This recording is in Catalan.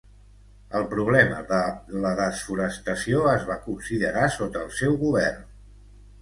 El problema de la desforestació es va considerar sota el seu govern.